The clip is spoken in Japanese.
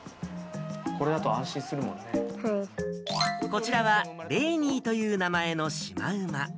こちらは、レイニーという名前のシマウマ。